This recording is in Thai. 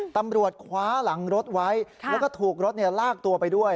ตำรวจคว้าหลังรถไว้แล้วก็ถูกรถลากตัวไปด้วย